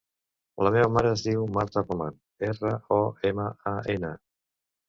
La meva mare es diu Marta Roman: erra, o, ema, a, ena.